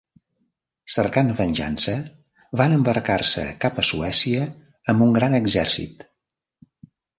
Cercant venjança, van embarcar-se cap a Suècia amb un gran exèrcit.